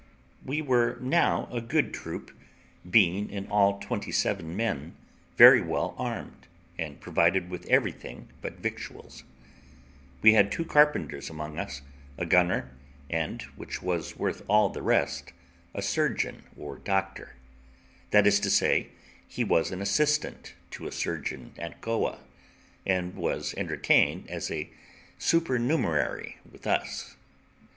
We were now a good troop, being in all twenty seven men, very well armed, and provided with everything but victuals; we had two carpenters among us, a gunner, and, which was worth all the rest, a surgeon or doctor; that is to say, he was an assistant to a surgeon at Goa, and was entertained as a supernumerary with us.